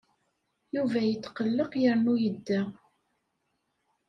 Yuba yetqelleq yernu yedda.